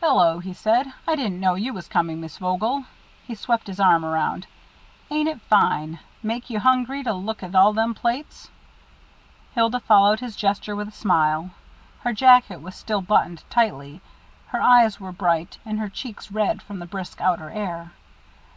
"Hello," he said; "I didn't know you was coming, Miss Vogel." He swept his arm around. "Ain't it fine? Make you hungry to look at all them plates?" Hilda followed his gesture with a smile. Her jacket was still buttoned tightly, and her eyes were bright and her cheeks red from the brisk outer air.